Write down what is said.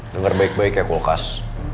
dengar baik baik ya kulkas